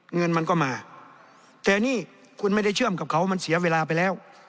เงินมันก็มาแต่นี่คุณไม่ได้เชื่อมกับเขามันเสียเวลาไปแล้ว